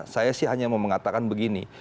saya sih hanya mau mengatakan begini